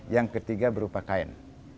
yang ketiga berupa kain